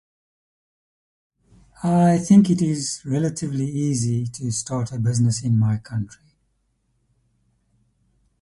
I think it is relatively easy to start a business in my country.